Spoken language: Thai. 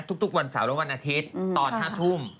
ทุกวันเสาร์และวันอาทิตย์ตอน๕ทุ่ม